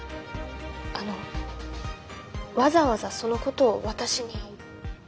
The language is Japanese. あのわざわざそのことを私に？